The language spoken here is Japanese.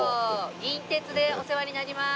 銀鉄でお世話になります。